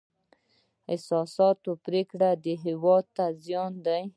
احساساتي پرېکړې هېواد ته زیان دی.